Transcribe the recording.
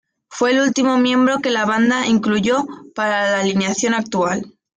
Fue el último miembro que la banda incluyó para la alineación actual.